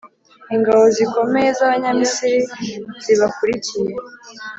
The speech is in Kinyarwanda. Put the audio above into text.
ingabo zikomeye z’abanyamisiri zibakurikiye;